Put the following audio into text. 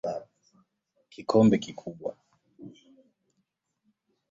Kikombe kubwa.